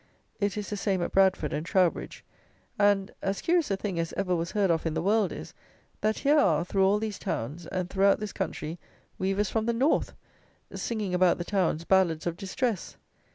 It is the same at Bradford and Trowbridge; and, as curious a thing as ever was heard of in the world is, that here are, through all these towns, and throughout this country, weavers from the North, singing about the towns ballads of Distress!